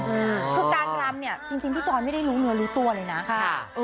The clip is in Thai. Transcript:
อืมคือการรำเนี่ยจริงพี่จอยไม่ได้รู้เนื้อรู้ตัวเลยนะค่ะ